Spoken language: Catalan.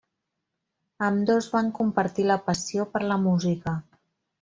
Ambdós van compartir la passió per la música.